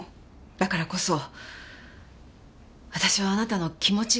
だからこそ私はあなたの気持ちが知りたいの。